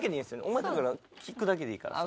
お前だから聞くだけでいいからさ。